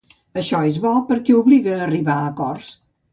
I això és bo perquè obliga a arribar a acords.